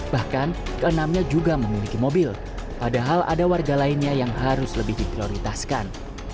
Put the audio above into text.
bahkan keenamnya juga memiliki mobil padahal ada warga lainnya yang harus lebih diprioritaskan